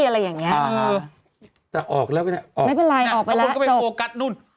เออแล้วออกละก็นะไม่เป็นไรออกไปละแล้วคุณก็ไปโฟกัสนู่น